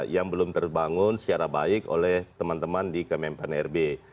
yang belum terbangun secara baik oleh teman teman di km empat nrb